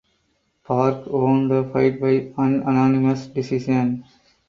Park won the fight by unanimous decision.